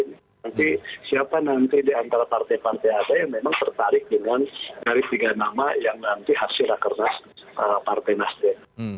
nanti siapa nanti di antara partai partai ada yang memang tertarik dengan dari tiga nama yang nanti hasil rakernas partai nasdem